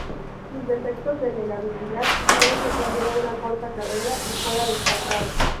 Sus defectos de navegabilidad hicieron que tuviera una corta carrera y fuera descartado.